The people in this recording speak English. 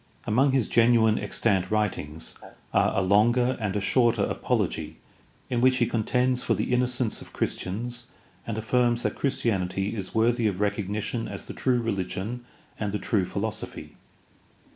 Among his genuine extant writings are a longer and a shorter apology in which he contends for the innocence of Christians and affirms that Christianity is worthy of recognition as the true rehgion and the true philosophy.